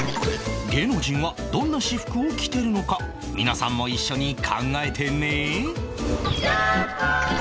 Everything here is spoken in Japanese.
芸能人はどんな私服を着てるのか皆さんも一緒に考えてね